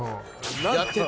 やってた。